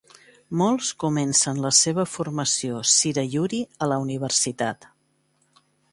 Molts comencen la seva formació Shirayuri a la universitat.